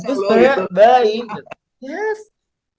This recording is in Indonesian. gue sebenernya baik gitu